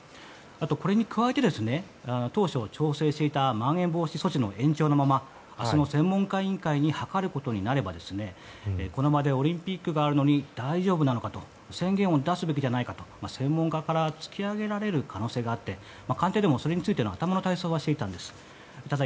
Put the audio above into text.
これに加えて、当初調整していたまん延防止措置の延長のまま、明日の専門家委員会に諮ることになればオリンピックがあるのに大丈夫なのかと宣言を出すべきじゃないかと専門家から突き上げられる可能性があってそれについての対策はしていたんです。